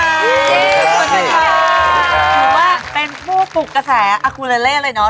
คือว่าเป็นผู้ปลุกกระแสอุคูเลเลเลยเนาะ